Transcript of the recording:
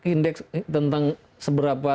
indeks tentang seberapa